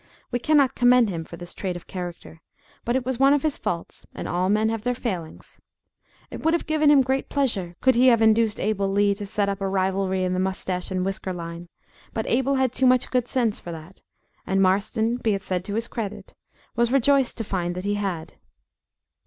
We cannot commend him for this trait of character. But it was one of his faults, and all men have their failings. It would have given him great pleasure, could he have induced Abel Lee to set up a rivalry in the moustache and whisker line; but Abel had too much good sense for that, and Marston, be it said to his credit, was rejoiced to find that he had.